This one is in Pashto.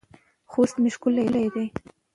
خوست مې ښکلی دی